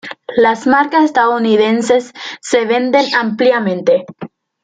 Las marcas estadounidenses se venden ampliamente.